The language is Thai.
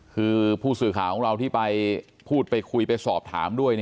คือผู้สื่อข่าวของเราที่ไปพูดไปคุยไปสอบถามด้วย